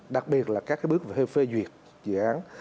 đặc biệt là các bước phê duyệt dự án